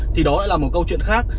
thì đó lại là một câu chuyện khác